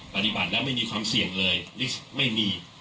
ปฏิบัติแล้วไม่มีความเสี่ยงเลยลิสต์ไม่มี